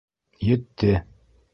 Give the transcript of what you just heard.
Етте.